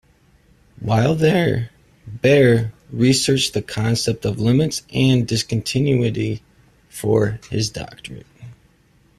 While there, Baire researched the concept of limits and discontinuity for his doctorate.